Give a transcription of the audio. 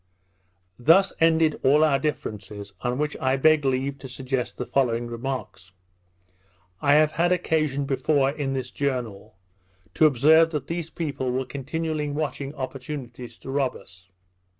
Thus ended all our differences, on which I beg leave to suggest the following remarks. I have had occasion before, in this journal, to observe that these people were continually watching opportunities to rob us.